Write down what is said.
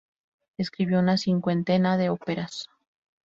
Escribió una cincuentena de óperas.